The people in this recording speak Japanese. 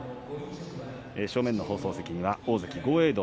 正面の放送席には大関豪栄